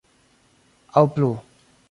Aŭ plu.